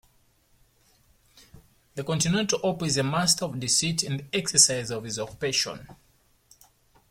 The Continental Op is a master of deceit in the exercise of his occupation.